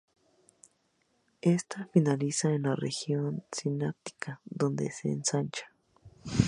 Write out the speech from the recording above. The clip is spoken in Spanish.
Ésta finaliza en la región sináptica, donde se ensancha.